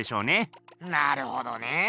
なるほどねえ。